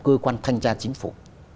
cơ quan thanh tra chính phủ